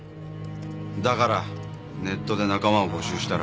だからネットで仲間を募集したら。